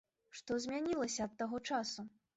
Што змянілася ад таго часу?